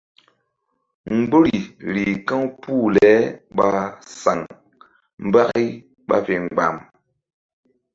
Mgbori rih ka̧w puh le ɓa saŋ mbaki ɓa fe mgba̧m.